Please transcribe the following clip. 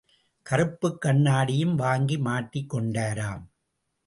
கறுப்புக் கண்ணாடியும் வாங்கி மாட்டிக் கொண்டாராம்.